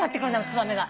ツバメが。